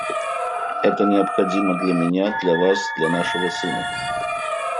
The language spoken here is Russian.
Это необходимо для меня, для вас, для нашего сына.